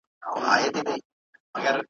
یوه ورځ یې د سپي سترګي وې تړلي `